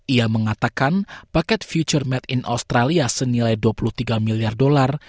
ia mengatakan paket future made in australia senilai dua puluh tiga miliar dolar